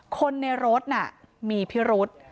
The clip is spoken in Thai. คนในรถน่ะมีพิรุษ